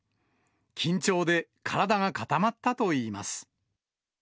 緊張で体が固まったといいます。